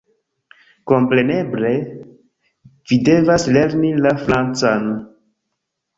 "Kompreneble, vi devas lerni la francan!